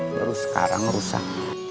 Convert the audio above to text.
terus sekarang rusak